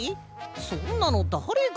そんなのだれが。